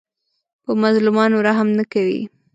په مظلومانو رحم نه کوي